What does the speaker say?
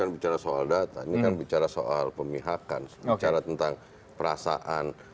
bagaimana cara tentang perasaan